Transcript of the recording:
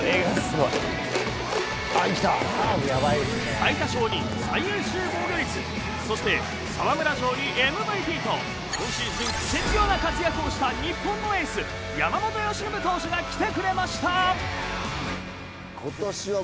最多勝に最優秀防御率そして沢村賞にＭＶＰと今シーズンクセ強な活躍をした日本のエース山本由伸投手が来てくれました。